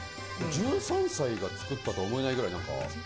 １３歳が作ったと思えないぐらい。